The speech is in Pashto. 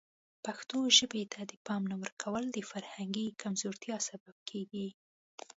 پښتو ژبې ته د پام نه ورکول د فرهنګي کمزورتیا سبب کیږي.